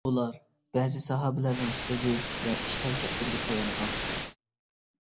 بۇلار بەزى ساھابىلەرنىڭ سۆزى ۋە ئىش-ھەرىكەتلىرىگە تايانغان.